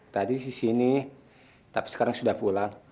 tadi di sini tapi sekarang sudah pulang